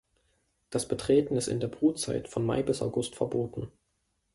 Das Betreten ist in der Brutzeit, von Mai bis August, verboten.